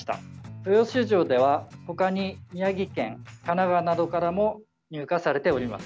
豊洲市場では、ほかに宮城県神奈川などからも入荷されております。